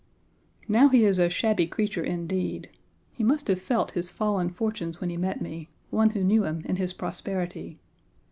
Now he is a shabby creature indeed. He must have felt his fallen fortunes when he met me one who knew him in his prosperity.